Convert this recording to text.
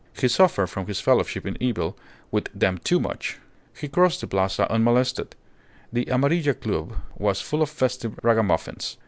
He suffered from his fellowship in evil with them too much. He crossed the Plaza unmolested. The Amarilla Club was full of festive ragamuffins.